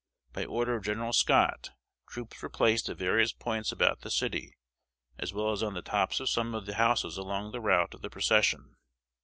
By order of Gen. Scott, troops were placed at various points about the city, as well as on the tops of some of the houses along the route of the procession.